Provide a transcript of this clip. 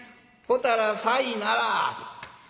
ほたらさいなら」。